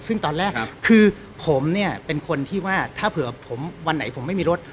ซึ่งตอนแรกคือผมเนี่ยเป็นคนที่ว่าถ้าเผื่อผมวันไหนผมไม่มีรถ